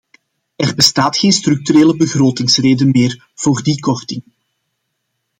Er bestaat geen structurele begrotingsreden meer voor die korting.